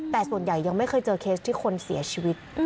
แต่ส่วนใหญ่ยังไม่เคยเจอเคสที่คนเสียชีวิต